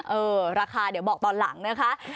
เออราคาเดี๋ยวบอกตอนหลังนะคะ